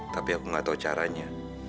tapi aku gak tau caranya